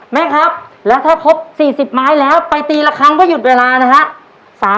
แม่ครับแล้วถ้าครบ๔๐ไม้แล้วไปตีละครั้งเพื่อหยุดเวลานะฮะ